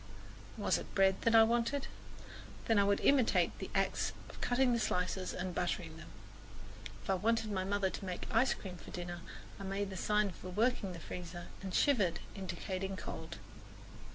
Was it bread that I wanted? Then I would imitate the acts of cutting the slices and buttering them. If I wanted my mother to make ice cream for dinner I made the sign for working the freezer and shivered, indicating cold.